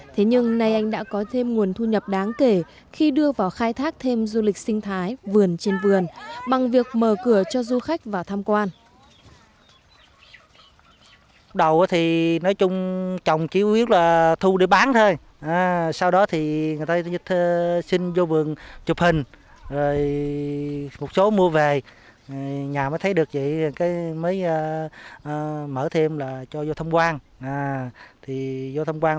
thế nhưng nay anh đã có thêm nguồn thu nhập đáng kể khi đưa vào khai thác thêm du lịch sinh thái vườn trên vườn bằng việc mở cửa cho du khách vào tham quan